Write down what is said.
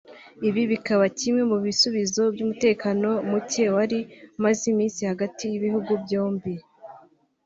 Ibi bikaba kimwe mu bisubizo by’umutekano muke wari umaze iminsi hagati y’ibihugu byombi